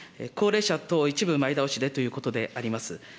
高齢者等、一部前倒しでということであります。